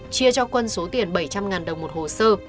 chia cho quân số tiền bảy trăm linh đồng một hồ sơ